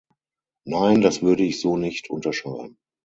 Nein, das würde ich so nicht unterschreiben.